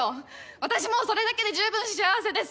私もうそれだけで十分幸せです！